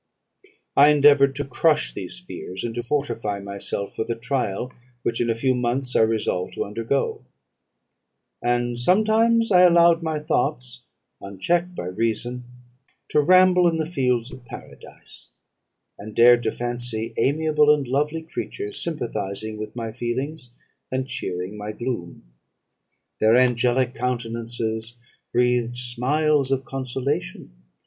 "I endeavoured to crush these fears, and to fortify myself for the trial which in a few months I resolved to undergo; and sometimes I allowed my thoughts, unchecked by reason, to ramble in the fields of Paradise, and dared to fancy amiable and lovely creatures sympathising with my feelings, and cheering my gloom; their angelic countenances breathed smiles of consolation.